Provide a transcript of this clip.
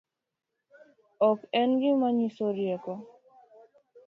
Ok en gima nyiso riek